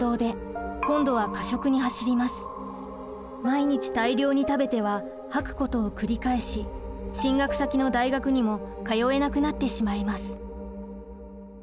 毎日大量に食べては吐くことを繰り返し進学先の大学にも通えなくなってしまいます。